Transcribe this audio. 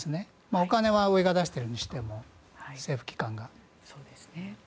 お金は上が出してるにしても政府機関が。